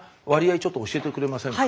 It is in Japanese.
ちょっと教えてくれませんか。